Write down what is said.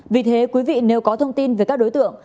vì thế quý vị nếu có thông tin về các đối tượng